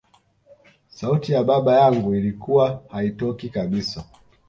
sauti ya baba yangu ilikuwa haitokii kabisa